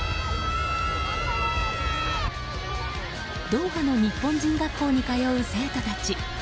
ドーハの日本人学校に通う生徒たち。